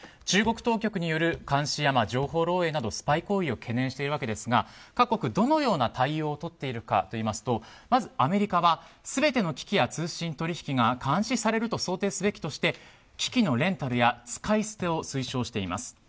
中国当局による監視や情報漏洩などスパイ行為を懸念しているわけですが各国、どのような対応をとっているかといいますとまずアメリカは全ての機器や通信、取引が監視されると想定すべきとして機器のレンタルや使い捨てを推奨しています。